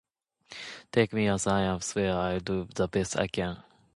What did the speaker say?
Take me as I am swear I'll do the best I can